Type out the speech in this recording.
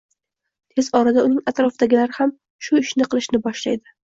tez orada uning atrofidagilar ham shu ishni qilishni boshlaydi.